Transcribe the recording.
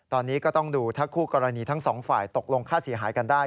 ตอนนี้ก็ต้องดูถ้าคู่กรณีทั้งสองฝ่ายตกลงค่าเสียหายกันได้